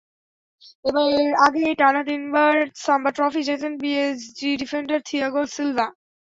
এবারের আগে টানা তিনবার সাম্বা ট্রফি জেতেন পিএসজি ডিফেন্ডার থিয়াগো সিলভা।